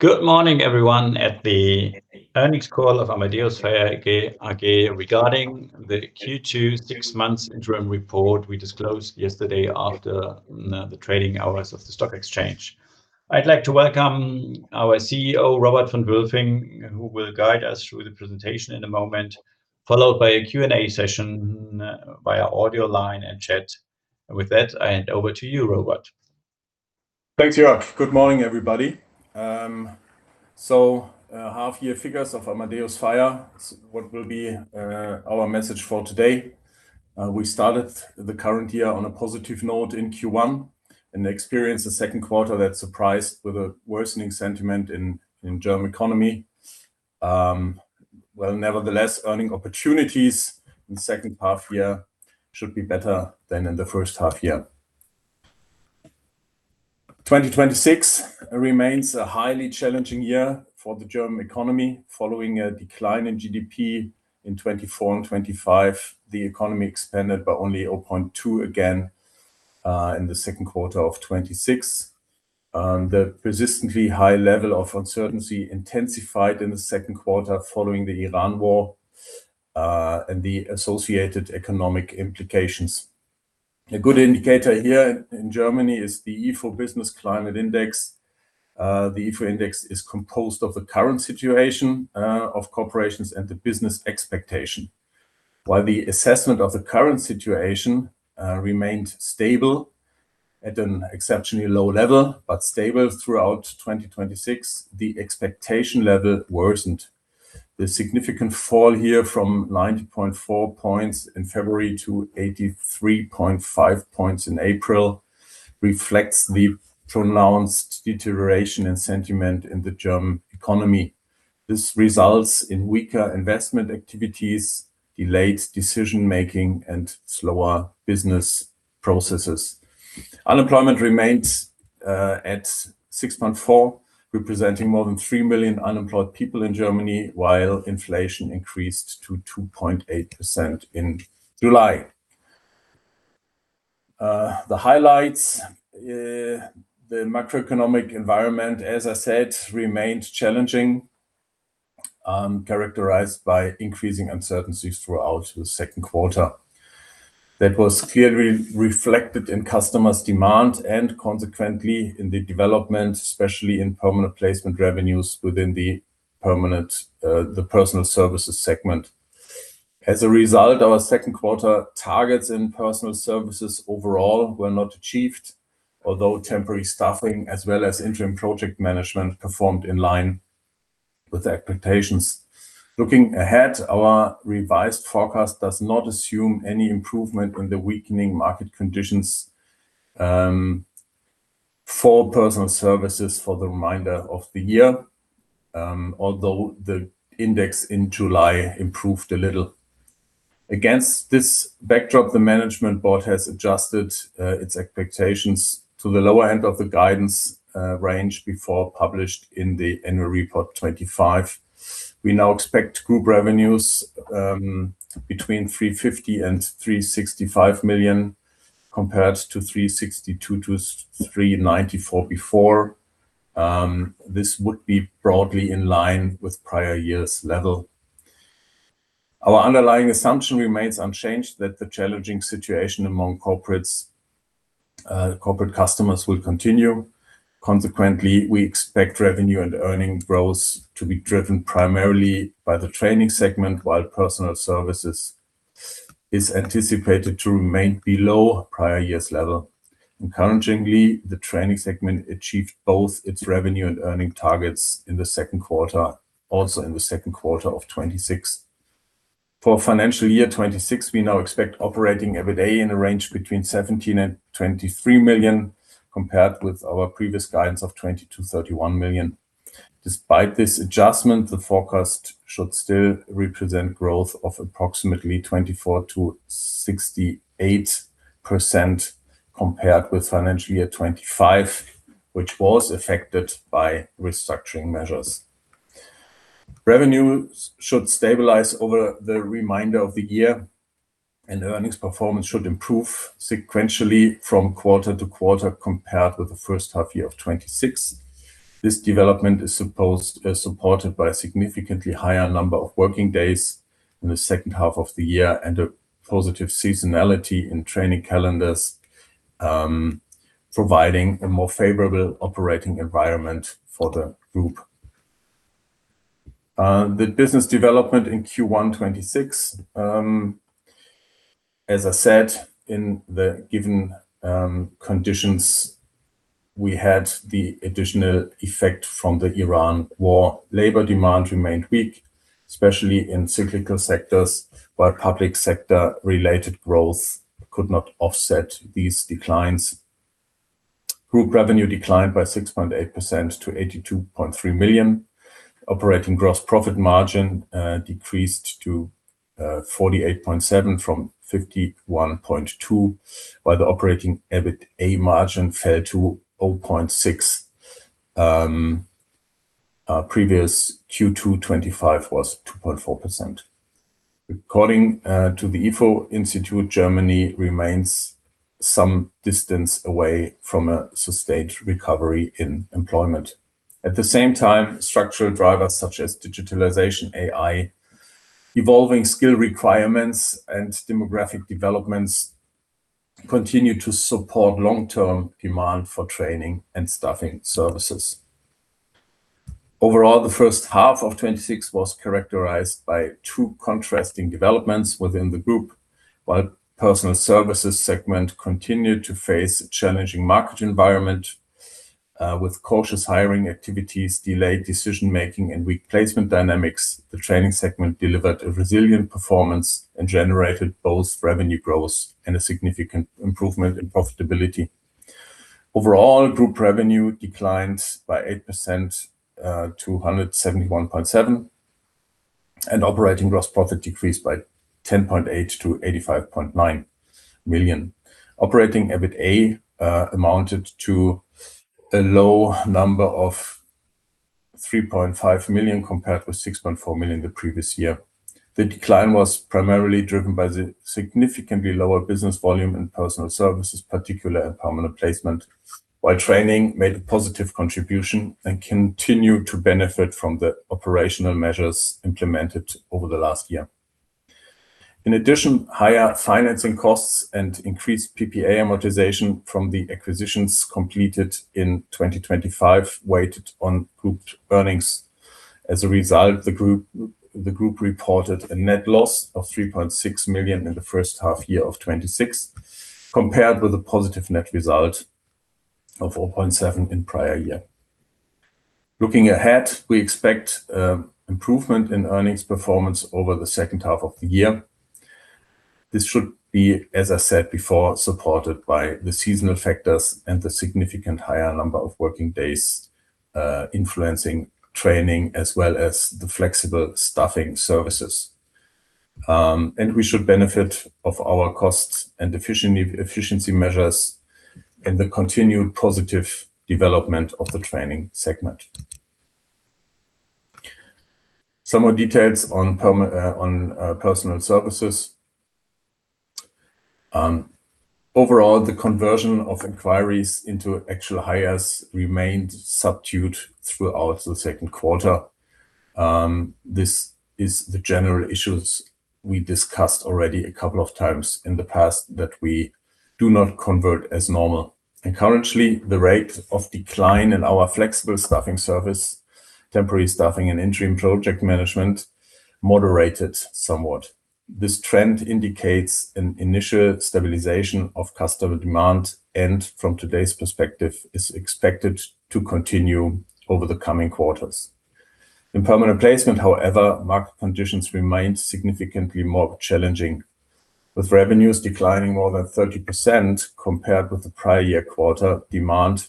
Good morning, everyone, at the earnings call of Amadeus FiRe AG regarding the Q2 six months interim report we disclosed yesterday after the trading hours of the stock exchange. I'd like to welcome our Chief Executive Officer, Robert von Wülfing, who will guide us through the presentation in a moment, followed by a question-and-answer session via audio line and chat. With that, I hand over to you, Robert. Thanks, Jörg. Good morning, everybody. Half year figures of Amadeus FiRe is what will be our message for today. We started the current year on a positive note in Q1 and experienced a second quarter that surprised with a worsening sentiment in German economy. Well, nevertheless, earning opportunities in the second half year should be better than in the first half year. 2026 remains a highly challenging year for the German economy following a decline in GDP in 2024 and 2025. The economy expanded by only 0.2% again in the second quarter of 2026. The persistently high level of uncertainty intensified in the second quarter following the Iran war and the associated economic implications. A good indicator here in Germany is the ifo Business Climate Index. The ifo index is composed of the current situation of corporations and the business expectation. While the assessment of the current situation remained stable at an exceptionally low level, but stable throughout 2026, the expectation level worsened. The significant fall here from 90.4 points in February to 83.5 points in April reflects the pronounced deterioration in sentiment in the German economy. This results in weaker investment activities, delayed decision making and slower business processes. Unemployment remains at 6.4%, representing more than three million unemployed people in Germany, while inflation increased to 2.8% in July. The highlights. The macroeconomic environment, as I said, remained challenging, characterized by increasing uncertainties throughout the second quarter. That was clearly reflected in customers' demand and consequently in the development, especially in permanent placement revenues within the Personnel Services segment. As a result, our second quarter targets in Personnel Services overall were not achieved, although temporary staffing as well as interim project management performed in line with the expectations. Looking ahead, our revised forecast does not assume any improvement in the weakening market conditions for Personnel Services for the remainder of the year, although the index in July improved a little. Against this backdrop, the management board has adjusted its expectations to the lower end of the guidance range before published in the annual report 2025. We now expect group revenues between 350 million-365 million compared to 362 million-394 million before. This would be broadly in line with prior year's level. Our underlying assumption remains unchanged that the challenging situation among corporate customers will continue. Consequently, we expect revenue and earning growth to be driven primarily by the training segment, while Personnel Services is anticipated to remain below prior year's level. Encouragingly, the training segment achieved both its revenue and earning targets in the second quarter, also in the second quarter of 2026. For financial year 2026, we now expect operating EBITA in a range between 17 million-23 million, compared with our previous guidance of 20 million-31 million. Despite this adjustment, the forecast should still represent growth of approximately 24%-68% compared with financial year 2025, which was affected by restructuring measures. Revenue should stabilize over the remainder of the year, and earnings performance should improve sequentially from quarter to quarter compared with the first half year of 2026. This development is supported by a significantly higher number of working days in the second half of the year and a positive seasonality in training calendars providing a more favorable operating environment for the group. The business development in Q1 2026. As I said, in the given conditions, we had the additional effect from the Iran war. Labor demand remained weak, especially in cyclical sectors, while public sector-related growth could not offset these declines. Group revenue declined by 6.8% to 82.3 million. Operating gross profit margin decreased to 48.7% from 51.2%, while the operating EBITA margin fell to 0.6%. Previous Q2 2025 was 2.4%. According to the Ifo Institute, Germany remains some distance away from a sustained recovery in employment. At the same time, structural drivers such as digitalization, AI, evolving skill requirements, and demographic developments continue to support long-term demand for training and staffing services. Overall, the first half of 2026 was characterized by two contrasting developments within the group. While Personnel Services segment continued to face a challenging market environment with cautious hiring activities, delayed decision-making, and weak placement dynamics, the training segment delivered a resilient performance and generated both revenue growth and a significant improvement in profitability. Overall, group revenue declined by 8% to 171.7 million, and operating gross profit decreased by 10.8% to 85.9 million. Operating EBITA amounted to a low number of 3.5 million compared with 6.4 million the previous year. The decline was primarily driven by the significantly lower business volume and Personnel Services, particularly in permanent placement. While training made a positive contribution and continued to benefit from the operational measures implemented over the last year. In addition, higher financing costs and increased PPA amortization from the acquisitions completed in 2025 weighed on group earnings. As a result, the group reported a net loss of 3.6 million in the first half year of 2026, compared with a positive net result of 4.7 million in prior year. Looking ahead, we expect improvement in earnings performance over the second half of the year. This should be, as I said before, supported by the seasonal factors and the significant higher number of working days influencing training as well as the flexible staffing services. We should benefit of our costs and efficiency measures and the continued positive development of the training segment. Some more details on Personnel Services. Overall, the conversion of inquiries into actual hires remained subdued throughout the second quarter. This is the general issues we discussed already a couple of times in the past, that we do not convert as normal. Currently, the rate of decline in our flexible staffing service, temporary staffing, and interim project management moderated somewhat. This trend indicates an initial stabilization of customer demand and from today's perspective, is expected to continue over the coming quarters. In permanent placement, however, market conditions remained significantly more challenging. With revenues declining more than 30% compared with the prior-year quarter, demand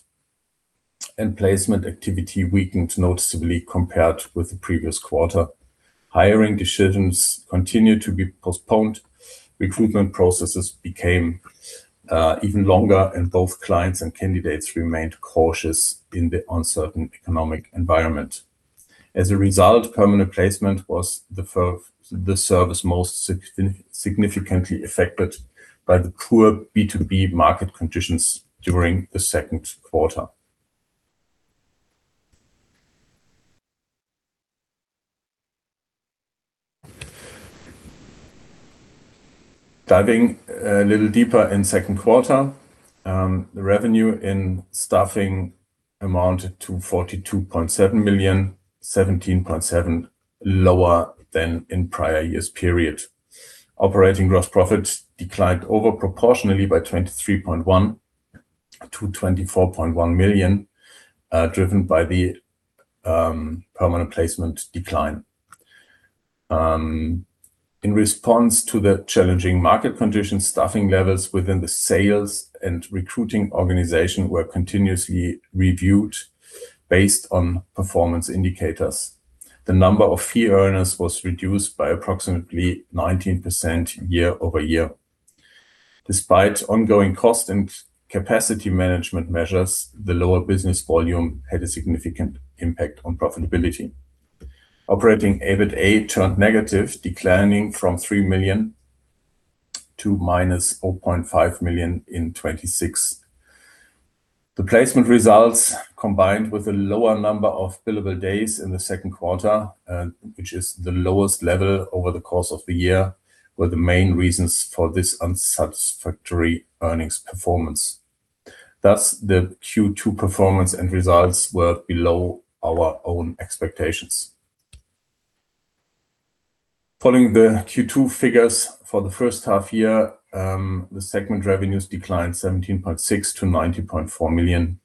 and placement activity weakened noticeably compared with the previous quarter. Hiring decisions continued to be postponed. Recruitment processes became even longer, and both clients and candidates remained cautious in the uncertain economic environment. As a result, permanent placement was the service most significantly affected by the poor B2B market conditions during the second quarter. Diving a little deeper in second quarter. The revenue in Staffing amounted to 42.7 million, 17.7% lower than in prior-year's period. Operating gross profit declined over proportionally by 23.1% to 24.1 million, driven by the permanent placement decline. In response to the challenging market conditions, staffing levels within the sales and recruiting organization were continuously reviewed based on performance indicators. The number of fee earners was reduced by approximately 19% year-over-year. Despite ongoing cost and capacity management measures, the lower business volume had a significant impact on profitability. Operating EBITA turned negative, declining from 3 million to -500,000 In 2026. The placement results, combined with a lower number of billable days in the second quarter, which is the lowest level over the course of the year, were the main reasons for this unsatisfactory earnings performance. Thus, the Q2 performance and results were below our own expectations. Following the Q2 figures for the first half-year, the segment revenues declined 17.6% to 90.4 million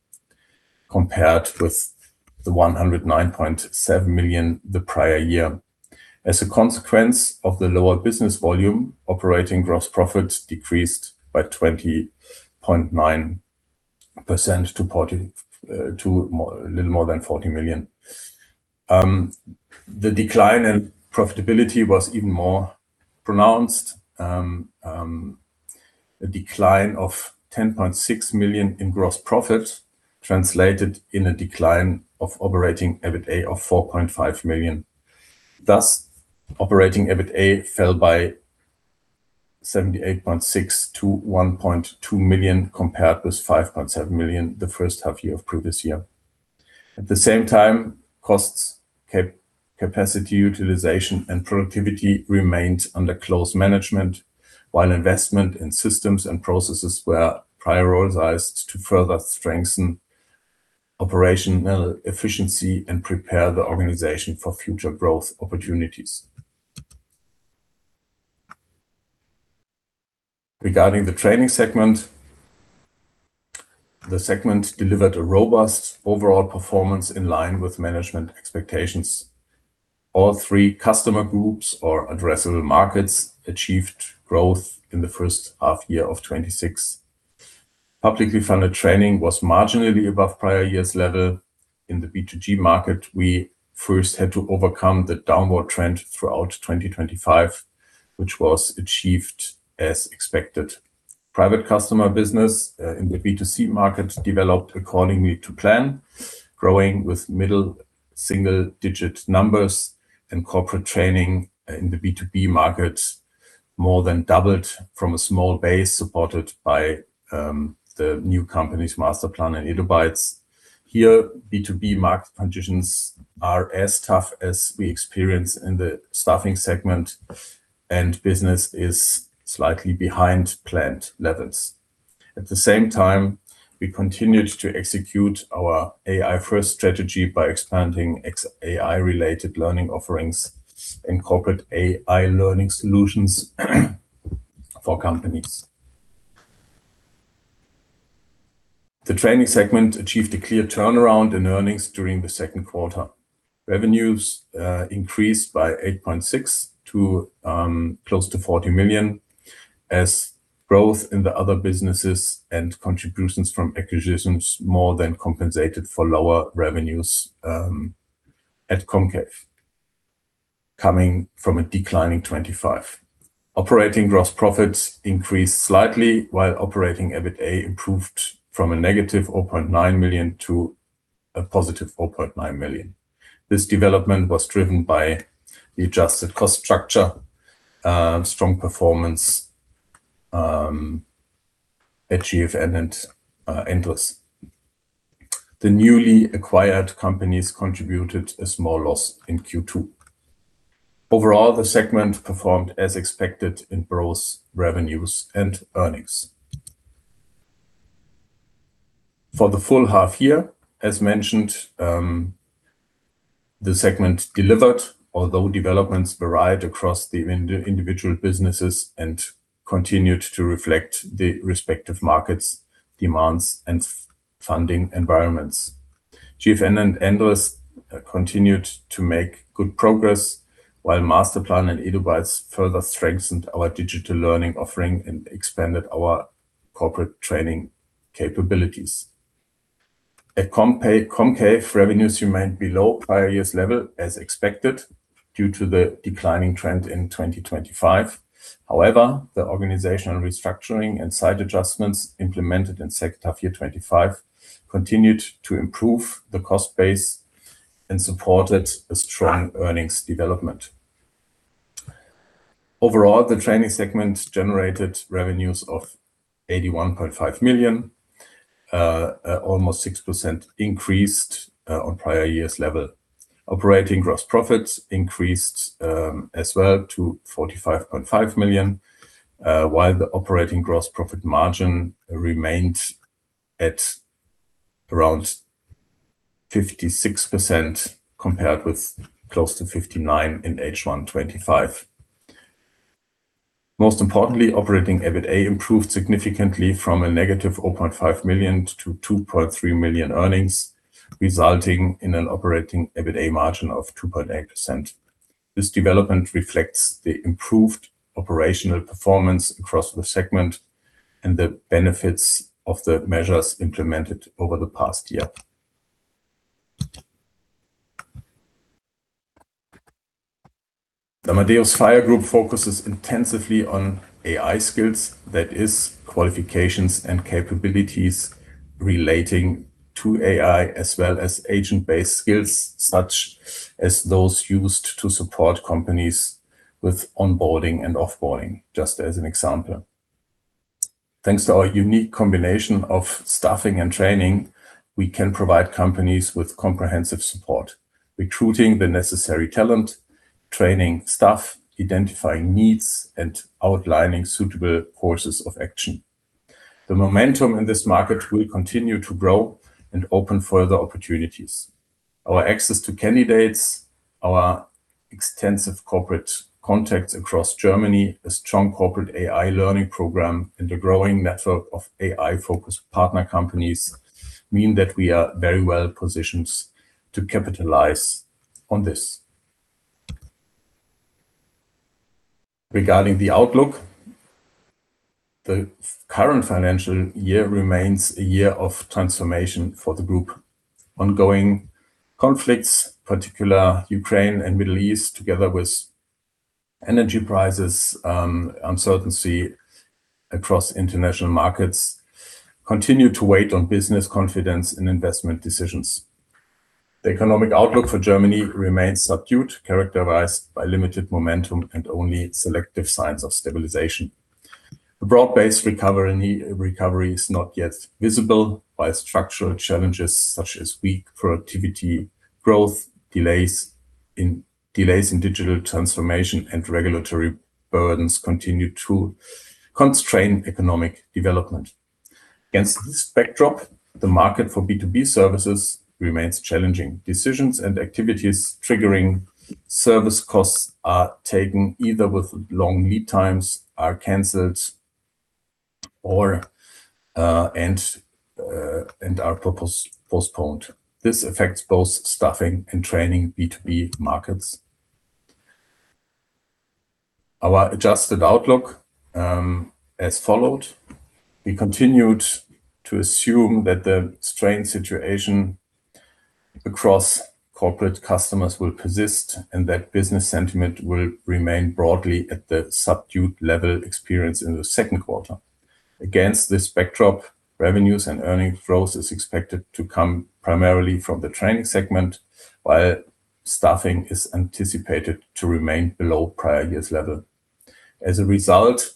compared with the 109.7 million the prior year. As a consequence of the lower business volume, operating gross profit decreased by 20.9% to a little more than 40 million. The decline in profitability was even more pronounced. A decline of 10.6 million in gross profit translated in a decline of Operating EBITA of 4.5 million. Thus, Operating EBITA fell by 78.6% to 1.2 million compared with 5.7 million the first half-year of previous year. At the same time, costs, capacity utilization, and productivity remained under close management, while investment in systems and processes were prioritized to further strengthen operational efficiency and prepare the organization for future growth opportunities. Regarding the Training segment, the segment delivered a robust overall performance in line with management expectations. All three customer groups or addressable markets achieved growth in the first half-year of 2026. Publicly funded training was marginally above prior-year's level. In the B2G market, we first had to overcome the downward trend throughout 2025, which was achieved as expected. Private customer business in the B2C market developed accordingly to plan, growing with middle single-digit numbers and corporate training in the B2B market more than doubled from a small base supported by the new companies, Masterplan and eduBITES. Here, B2B market conditions are as tough as we experience in the Staffing segment, and business is slightly behind planned levels. At the same time, we continued to execute our AI-first strategy by expanding AI-related learning offerings and corporate AI learning solutions for companies. The Training segment achieved a clear turnaround in earnings during the second quarter. Revenues increased by 8.6% to close to 40 million, as growth in the other businesses and contributions from acquisitions more than compensated for lower revenues at Comcave, coming from a decline in 2025. Operating gross profits increased slightly, while Operating EBITA improved from a -0.9 million to a positive 4.9 million. This development was driven by the adjusted cost structure, strong performance achieved at Dr. Endriss. The newly acquired companies contributed a small loss in Q2. Overall, the segment performed as expected in both revenues and earnings. For the full half year, as mentioned, the segment delivered, although developments varied across the individual businesses and continued to reflect the respective markets, demands, and funding environments. GFN and Dr. Endriss continued to make good progress, while Masterplan and eduBITES further strengthened our digital learning offering and expanded our corporate training capabilities. At Comcave, revenues remained below prior year's level as expected due to the declining trend in 2025. However, the organizational restructuring and site adjustments implemented in second half year 2025 continued to improve the cost base and supported a strong earnings development. Overall, the training segment generated revenues of 81.5 million, almost 6% increased on prior year's level. Operating gross profits increased as well to 45.5 million, while the operating gross profit margin remained at around 56% compared with close to 59% in H1 2025. Most importantly, operating EBITA improved significantly from a -0.5 million to 2.3 million earnings, resulting in an operating EBITA margin of 2.8%. This development reflects the improved operational performance across the segment and the benefits of the measures implemented over the past year. The Amadeus FiRe Group focuses intensively on AI skills, that is qualifications and capabilities relating to AI as well as agent-based skills, such as those used to support companies with onboarding and off-boarding, just as an example. Thanks to our unique combination of staffing and training, we can provide companies with comprehensive support, recruiting the necessary talent, training staff, identifying needs, and outlining suitable courses of action. The momentum in this market will continue to grow and open further opportunities. Our access to candidates, our extensive corporate contacts across Germany, a strong corporate AI learning program, and a growing network of AI-focused partner companies mean that we are very well positioned to capitalize on this. Regarding the outlook, the current financial year remains a year of transformation for the Group. Ongoing conflicts, particular Ukraine and Middle East, together with energy prices, uncertainty across international markets continue to weigh on business confidence and investment decisions. The economic outlook for Germany remains subdued, characterized by limited momentum and only selective signs of stabilization. A broad-based recovery is not yet visible while structural challenges such as weak productivity growth, delays in digital transformation, and regulatory burdens continue to constrain economic development. Against this backdrop, the market for B2B services remains challenging. Decisions and activities triggering service costs are taken either with long lead times, are canceled, and are postponed. This affects both staffing and training B2B markets. Our adjusted outlook is as follows. We continued to assume that the strained situation across corporate customers will persist and that business sentiment will remain broadly at the subdued level experienced in the second quarter. Against this backdrop, revenues and earnings growth is expected to come primarily from the training segment, while staffing is anticipated to remain below prior year's level. As a result,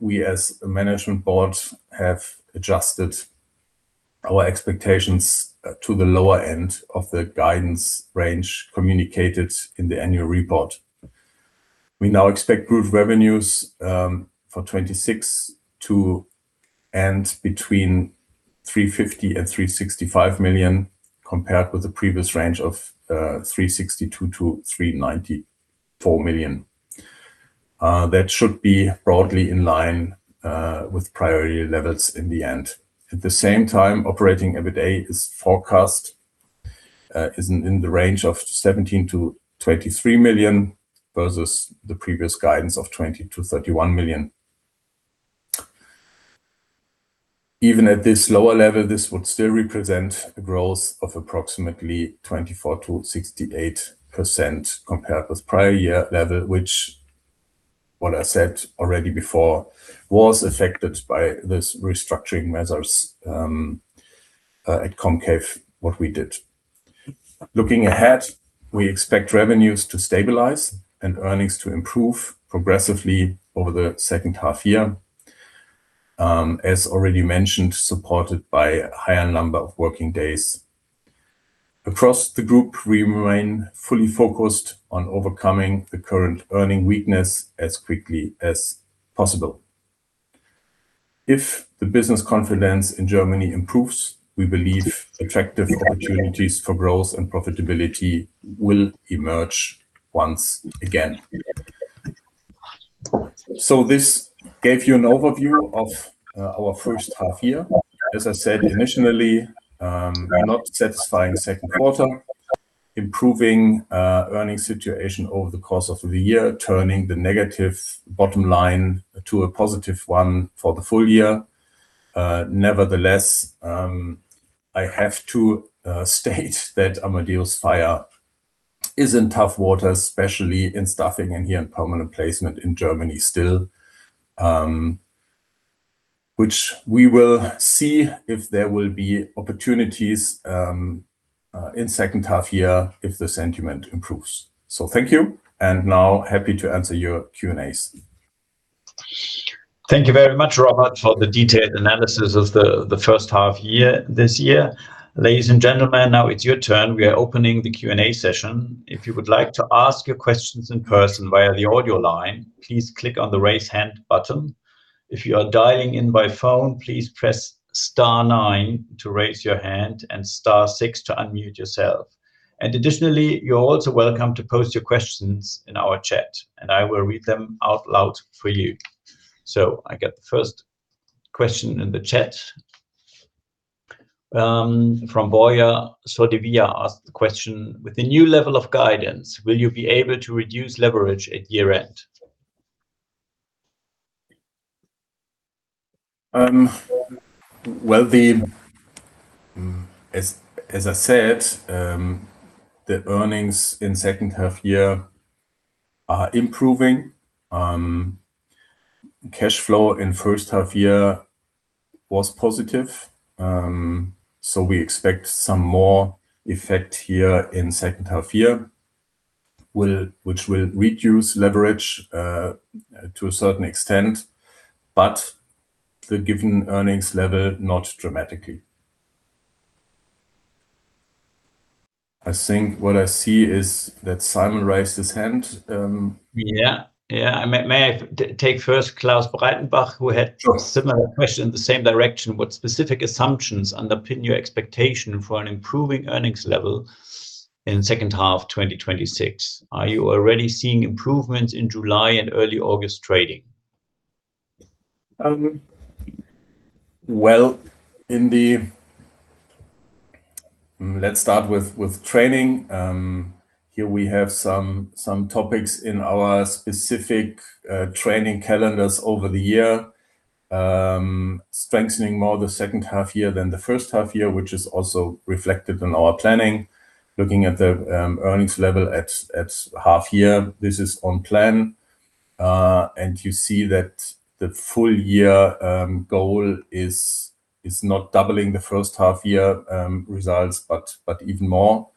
we as a management board have adjusted our expectations to the lower end of the guidance range communicated in the annual report. We now expect Group revenues for 2026 to end between 350 million-365 million, compared with the previous range of 362 million-394 million. That should be broadly in line with prior year levels in the end. At the same time, operating EBITA is forecast in the range of 17 million-23 million versus the previous guidance of 20 million-31 million. Even at this lower level, this would still represent a growth of approximately 24%-68% compared with prior year level, which, as I said already before, was affected by this restructuring measures at Comcave that we did. Looking ahead, we expect revenues to stabilize and earnings to improve progressively over the second half year. As already mentioned, supported by a higher number of working days. Across the group, we remain fully focused on overcoming the current earnings weakness as quickly as possible. If the business confidence in Germany improves, we believe attractive opportunities for growth and profitability will emerge once again. This gave you an overview of our first half year. As I said initially, not satisfying second quarter. Improving earnings situation over the course of the year, turning the negative bottom line to a positive one for the full year. Nevertheless, I have to state that Amadeus FiRe is in tough waters, especially in Personnel Services and here in permanent placement in Germany still, which we will see if there will be opportunities in second half year if the sentiment improves. Thank you, and now happy to answer your question-and-answers. Thank you very much, Robert, for the detailed analysis of the first half year this year. Ladies and gentlemen, now it's your turn. We are opening the question-and-answer session. If you would like to ask your questions in person via the audio line, please click on the raise hand button. If you are dialing in by phone, please press star nine to raise your hand and star six to unmute yourself. Additionally, you're also welcome to post your questions in our chat, and I will read them out loud for you. I get the first question in the chat. From Borja Sole Villa asked the question: With the new level of guidance, will you be able to reduce leverage at year-end? Well, as I said, the earnings in second half year are improving. Cash flow in first half year was positive. We expect some more effect here in second half year which will reduce leverage to a certain extent, but the given earnings level, not dramatically. I think what I see is that Simon raised his hand. Yeah. May I take first Klaus Breitenbach. A similar question in the same direction. What specific assumptions underpin your expectation for an improving earnings level in second half 2026? Are you already seeing improvements in July and early August trading? Well, let's start with training. Here we have some topics in our specific training calendars over the year Strengthening more the second half year than the first half year, which is also reflected in our planning. Looking at the earnings level at half year, this is on plan. You see that the full year goal is not doubling the first half year results but even more.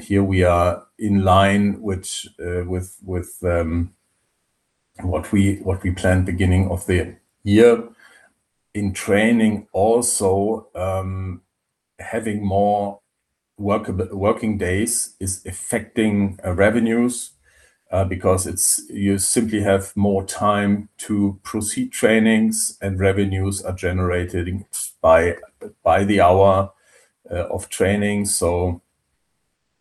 Here we are in line with what we planned beginning of the year. In training also, having more working days is affecting revenues because you simply have more time to proceed trainings and revenues are generated by the hour of training.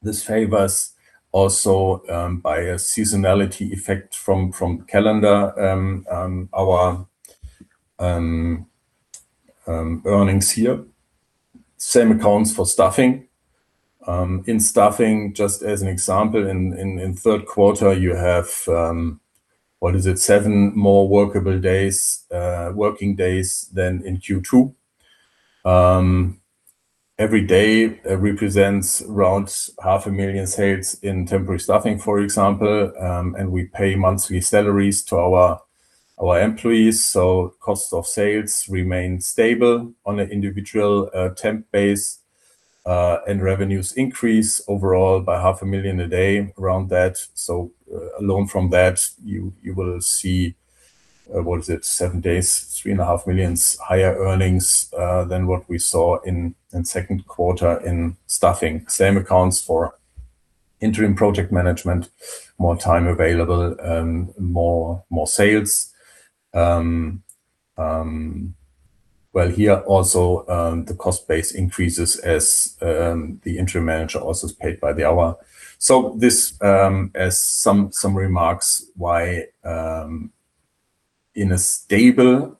This favors also by a seasonality effect from calendar our earnings here. Same accounts for staffing. In staffing, just as an example, in third quarter you have, what is it, seven more workable working days than in Q2. Every day represents around 500,000 sales in temporary staffing, for example, and we pay monthly salaries to our employees. Costs of sales remain stable on an individual temp base, revenues increase overall by 500,000 a day around that. Alone from that, you will see, what is it, seven days, 3.5 million higher earnings than what we saw in second quarter in staffing. Same accounts for interim project management, more time available, more sales. Well, here also the cost base increases as the interim manager also is paid by the hour. This as some remarks why in a stable,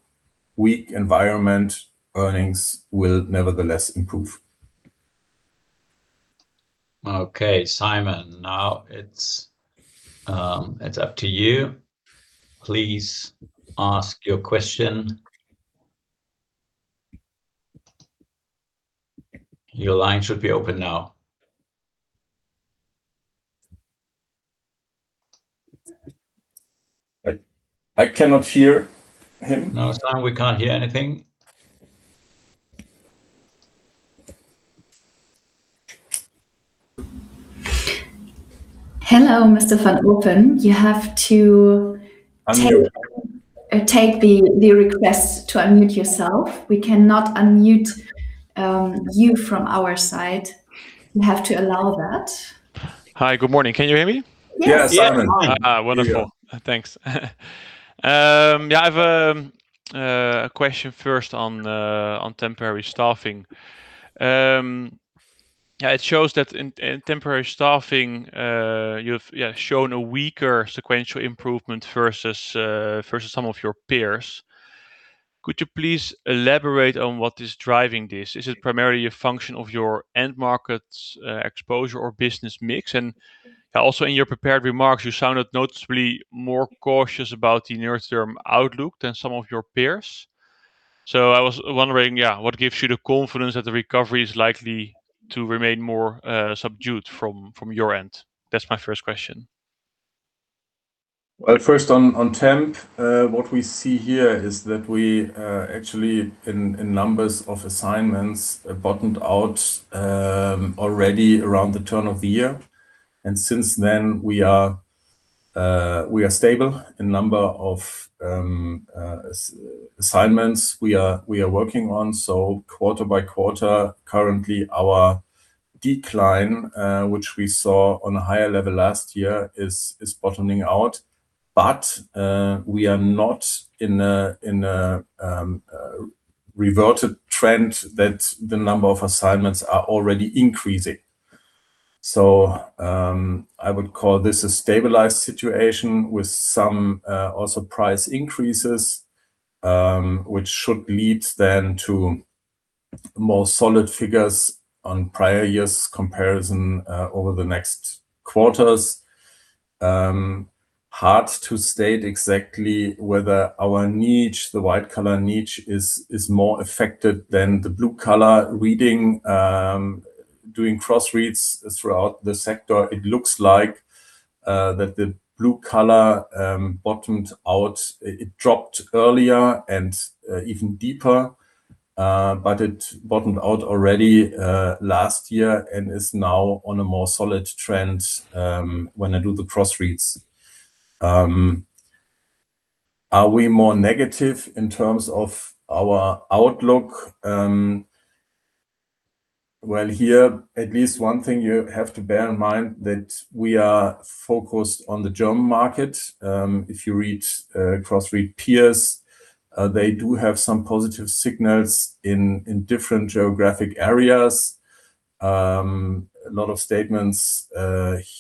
weak environment, earnings will nevertheless improve. Okay, Simon, now it's up to you. Please ask your question. Your line should be open now. I cannot hear him. No, Simon, we can't hear anything. Hello, Christoph van Oepen. You have to take the request to unmute yourself. We cannot unmute you from our side. You have to allow that. Hi. Good morning. Can you hear me? Yes, Simon. Yeah, fine. Wonderful. Thanks. I've a question first on temporary staffing. It shows that in temporary staffing, you've shown a weaker sequential improvement versus some of your peers. Could you please elaborate on what is driving this? Is it primarily a function of your end markets exposure or business mix? Also in your prepared remarks, you sounded noticeably more cautious about the near-term outlook than some of your peers. I was wondering, what gives you the confidence that the recovery is likely to remain more subdued from your end? That's my first question. First on temp, what we see here is that we actually in numbers of assignments bottomed out already around the turn of the year. Since then, we are stable in number of assignments we are working on so quarter-by-quarter, currently our decline, which we saw on a higher level last year, is bottoming out. We are not in a reverted trend that the number of assignments are already increasing. I would call this a stabilized situation with some also price increases, which should lead then to more solid figures on prior years comparison over the next quarters. Hard to state exactly whether our niche, the white collar niche, is more affected than the blue collar reading. Doing cross reads throughout the sector, it looks like that the blue collar bottomed out. It dropped earlier and even deeper. It bottomed out already last year and is now on a more solid trend when I do the cross reads. Are we more negative in terms of our outlook? Here, at least one thing you have to bear in mind that we are focused on the German market. If you cross read peers, they do have some positive signals in different geographic areas. A lot of statements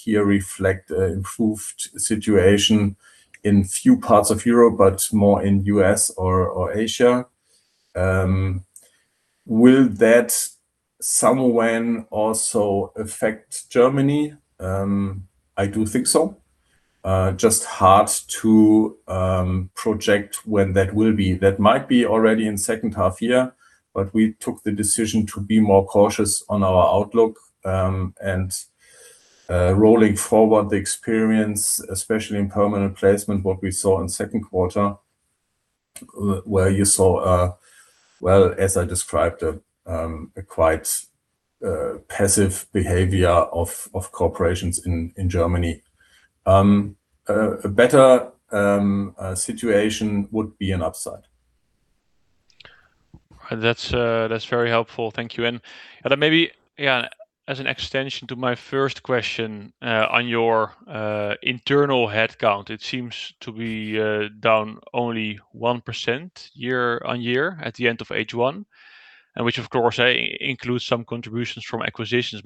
here reflect improved situation in few parts of Europe, but more in U.S. or Asia. Will that somewhen also affect Germany? I do think so. Just hard to project when that will be. That might be already in second half year, but we took the decision to be more cautious on our outlook. Rolling forward the experience, especially in permanent placement, what we saw in second quarter, where you saw, as I described, a quite passive behavior of corporations in Germany. A better situation would be an upside. That's very helpful. Thank you. Maybe as an extension to my first question, on your internal headcount, it seems to be down only 1% year-over-year at the end of H1, which of course includes some contributions from acquisitions.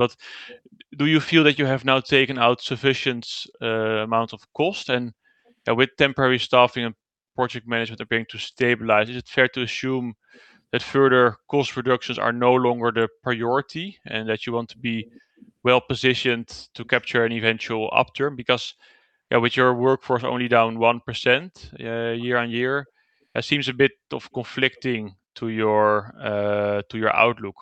Do you feel that you have now taken out sufficient amount of cost and with temporary staffing and project management appearing to stabilize, is it fair to assume that further cost reductions are no longer the priority and that you want to be well-positioned to capture an eventual upturn? With your workforce only down 1% year-over-year, that seems a bit of conflicting to your outlook.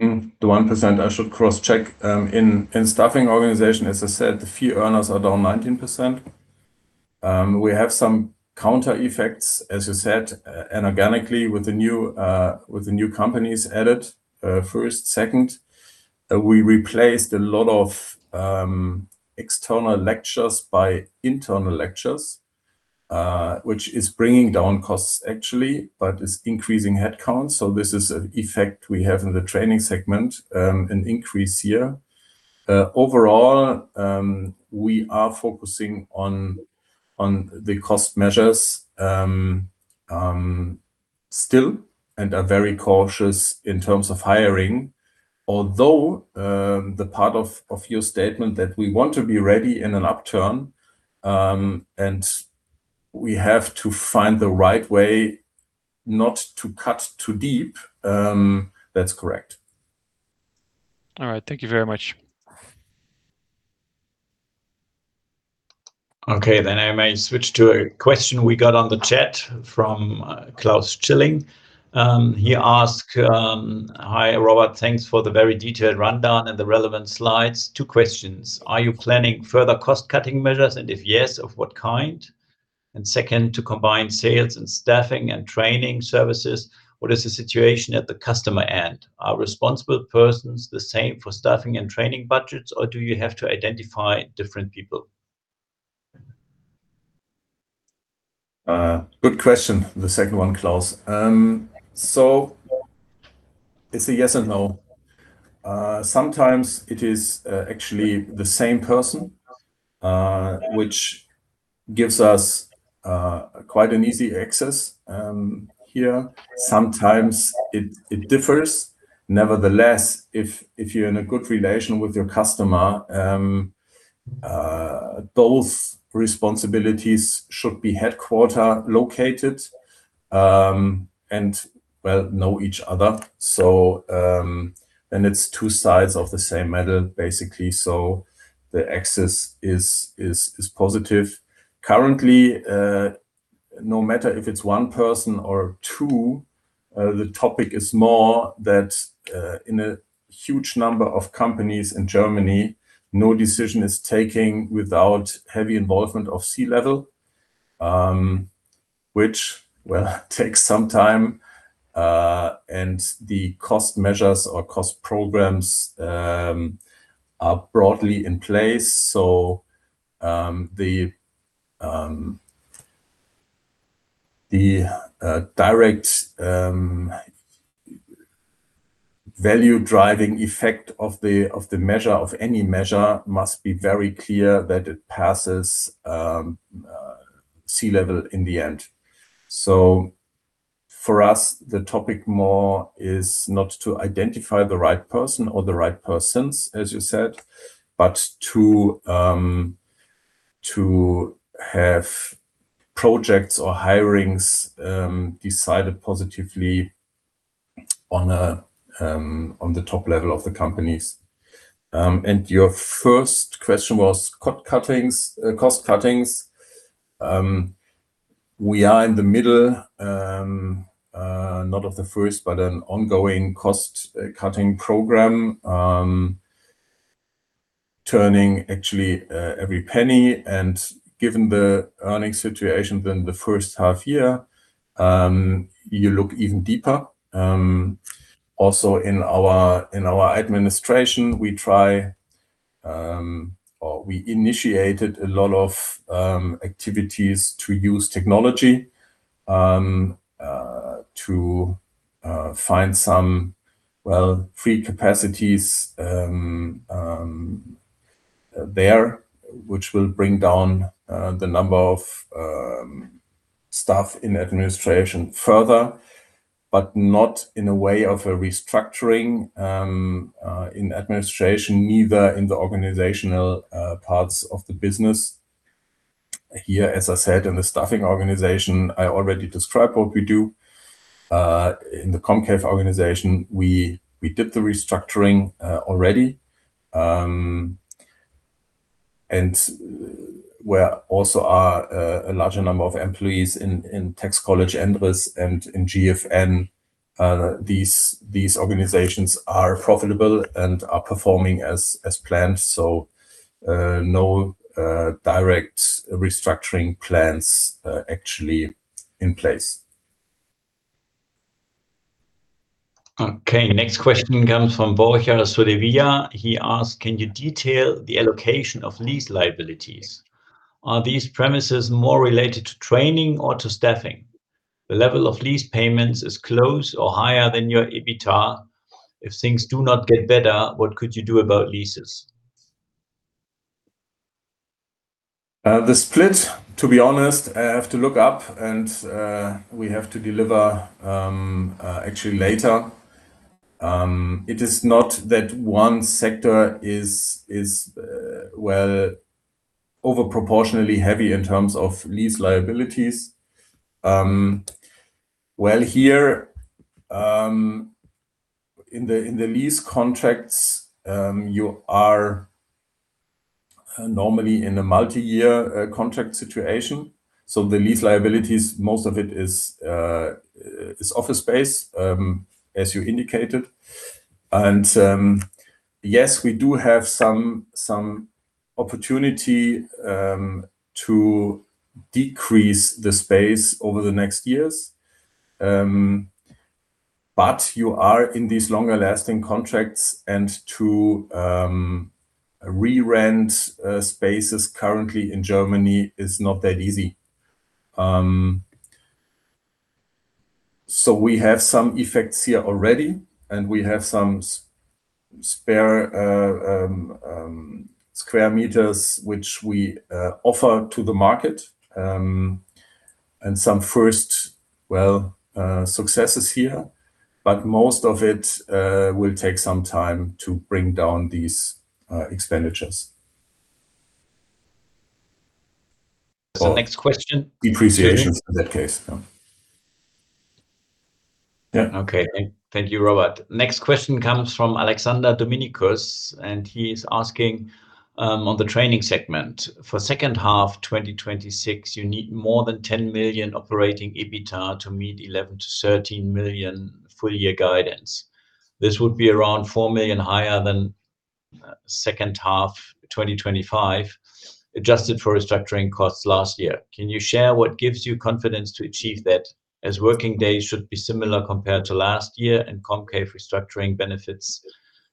The 1%, I should cross-check. In staffing organization, as I said, the fee earners are down 19%. We have some counter effects, as you said, organically with the new companies added first. Second, we replaced a lot of external lectures by internal lectures, which is bringing down costs actually, but is increasing headcount. This is an effect we have in the training segment, an increase here. Overall, we are focusing on the cost measures still and are very cautious in terms of hiring. Although, the part of your statement that we want to be ready in an upturn, and we have to find the right way not to cut too deep. That's correct. All right. Thank you very much. I may switch to a question we got on the chat from Klaus Schilling. He ask, "Hi, Robert. Thanks for the very detailed rundown and the relevant slides. Two questions. Are you planning further cost-cutting measures, and if yes, of what kind? Second, to combine sales and staffing and training services, what is the situation at the customer end? Are responsible persons the same for staffing and training budgets, or do you have to identify different people? Good question, the second one, Klaus. It's a yes and no. Sometimes it is actually the same person, which gives us quite an easy access here. Sometimes it differs. Nevertheless, if you're in a good relation with your customer, both responsibilities should be headquarter located, and well know each other. It's two sides of the same medal, basically. The access is positive. Currently, no matter if it's one person or two, the topic is more that in a huge number of companies in Germany, no decision is taken without heavy involvement of C-level, which will take some time. The cost measures or cost programs are broadly in place. The direct value-driving effect of any measure must be very clear that it passes C-level in the end. For us, the topic more is not to identify the right person or the right persons, as you said, but to have projects or hirings decided positively on the top level of the companies. Your first question was cost cuttings. We are in the middle, not of the first, but an ongoing cost-cutting program. Turning actually every penny and given the earning situation than the first half year, you look even deeper. Also in our administration, we initiated a lot of activities to use technology to find some free capacities there, which will bring down the number of staff in administration further, but not in a way of a restructuring in administration, neither in the organizational parts of the business. Here, as I said, in the staffing organization, I already described what we do. In the Comcave organization, we did the restructuring already. Where also are a larger number of employees in Steuer-Fachschule Dr. Endriss and in GFN. These organizations are profitable and are performing as planned, no direct restructuring plans actually in place. Okay. Next question comes from Borja Sole Villa. He asked, "Can you detail the allocation of lease liabilities? Are these premises more related to training or to staffing? The level of lease payments is close or higher than your EBITA. If things do not get better, what could you do about leases? The split, to be honest, I have to look up. We have to deliver actually later. It is not that one sector is over proportionally heavy in terms of lease liabilities. Here, in the lease contracts, you are normally in a multi-year contract situation, so the lease liabilities, most of it is office space, as you indicated. Yes, we do have some opportunity to decrease the space over the next years. You are in these longer-lasting contracts, and to re-rent spaces currently in Germany is not that easy. We have some effects here already, and we have some spare square meters, which we offer to the market. Some first successes here, but most of it will take some time to bring down these expenditures. Next question. Depreciations in that case. Thank you, Robert. Next question comes from Alexander Dominikus. He's asking on the training segment: For second half 2026, you need more than 10 million operating EBITA to meet 11 million-13 million full-year guidance. This would be around 4 million higher than second half 2025, adjusted for restructuring costs last year. Can you share what gives you confidence to achieve that, as working days should be similar compared to last year and Comcave restructuring benefits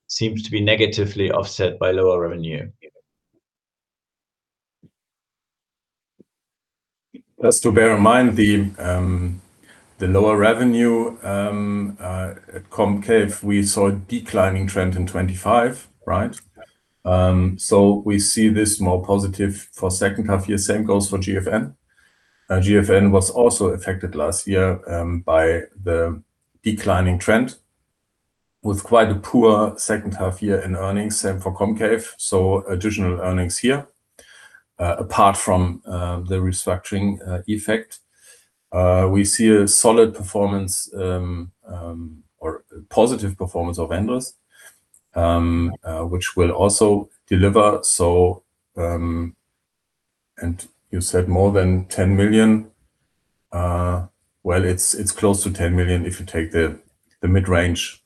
seems to be negatively offset by lower revenue? Just to bear in mind, the lower revenue, at Comcave, we saw a declining trend in 2025, right? We see this more positive for second half year. Same goes for GFN. GFN was also affected last year by the declining trend with quite a poor second half year in earnings, same for Comcave, additional earnings here. Apart from the restructuring effect, we see a solid performance, or positive performance of Dr. Endriss, which will also deliver. You said more than 10 million. It's close to 10 million if you take the mid-range.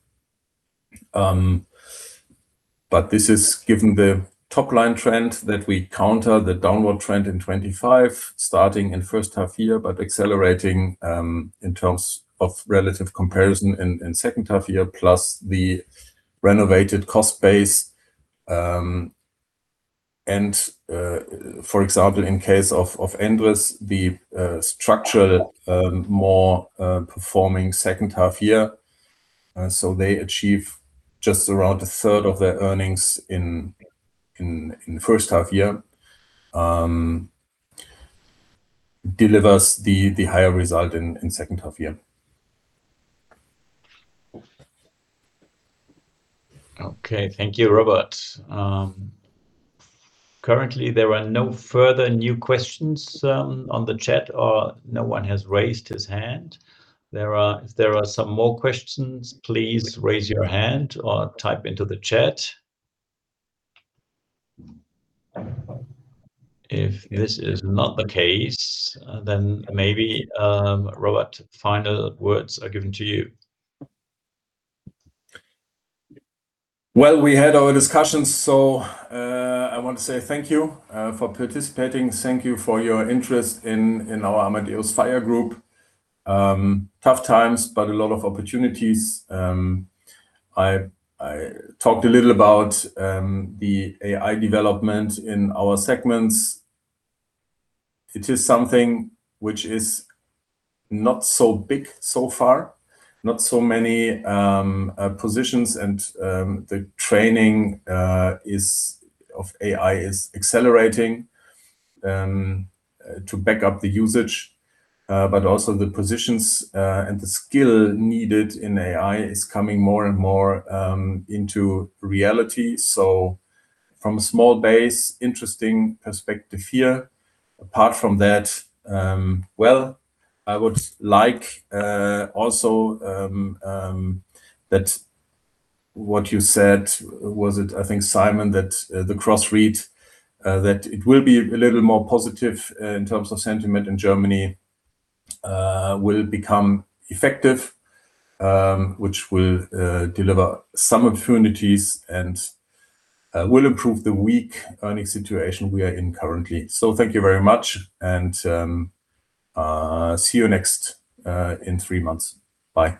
This is given the top-line trend that we counter the downward trend in 2025, starting in first half year, but accelerating in terms of relative comparison in second half year, plus the renovated cost base. For example, in case of Dr. Endriss, the structured more performing second half year. They achieve just around a 1/3 of their earnings in first half year, delivers the higher result in second half year. Thank you, Robert. Currently, there are no further new questions on the chat or no one has raised his hand. There are some more questions, please raise your hand or type into the chat. This is not the case, maybe, Robert, final words are given to you. We had our discussions, I want to say thank you for participating. Thank you for your interest in our Amadeus FiRe Group. Tough times, a lot of opportunities. I talked a little about the AI development in our segments. It is something which is not so big so far, not so many positions and the training of AI is accelerating to back up the usage. Also the positions and the skill needed in AI is coming more and more into reality. From a small base, interesting perspective here. Apart from that, I would like also that what you said, was it, I think, Simon, that the cross-read, that it will be a little more positive in terms of sentiment in Germany will become effective, which will deliver some opportunities and will improve the weak earning situation we are in currently. Thank you very much, and see you next in three months. Bye.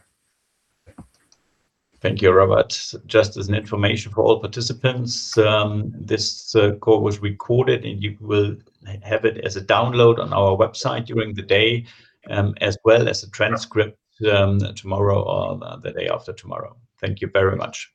Thank you, Robert. Just as an information for all participants, this call was recorded, and you will have it as a download on our website during the day, as well as a transcript tomorrow or the day after tomorrow. Thank you very much.